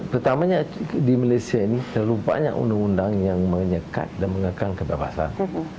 pertamanya di malaysia ini terlalu banyak undang undang yang menyekat dan mengekang kebebasan